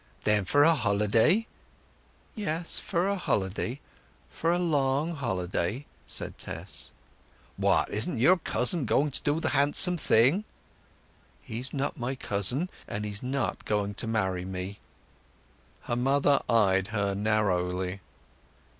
"Then for a holiday?" "Yes—for a holiday; for a long holiday," said Tess. "What, isn't your cousin going to do the handsome thing?" "He's not my cousin, and he's not going to marry me." Her mother eyed her narrowly.